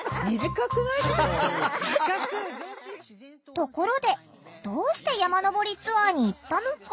ところでどうして山登りツアーに行ったのか？